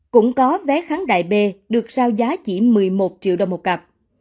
cũng có vé kháng đài b được giao giá chỉ một mươi một triệu đồng một cặp